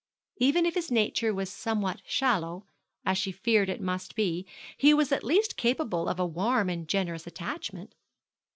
Even if his nature was somewhat shallow, as she feared it must be, he was at least capable of a warm and generous attachment.